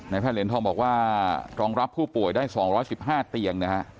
นายแพ่นเรนทองบอกว่ารองรับผู้ป่วยได้๒๑๕เตียง